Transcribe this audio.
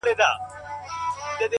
ما چي د ميني په شال ووهي ويده سمه زه ـ